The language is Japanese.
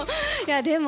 でも、